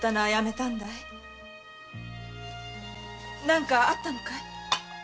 なにかあったのかい？